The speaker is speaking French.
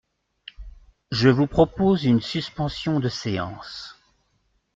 Je vous propose une suspension de séance.